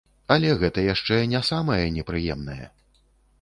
Але гэта яшчэ не самае непрыемнае.